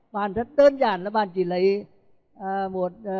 bạn rất tương giản là bạn chỉ lấy một